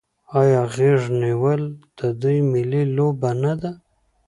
آیا غیږ نیول د دوی ملي لوبه نه ده؟